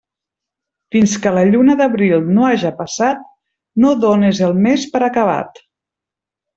Fins que la lluna d'abril no haja passat, no dónes el mes per acabat.